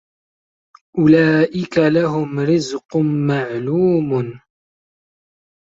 أُولئِكَ لَهُم رِزقٌ مَعلومٌ